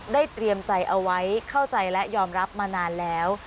เตรียมใจเอาไว้เข้าใจและยอมรับมานานแล้ว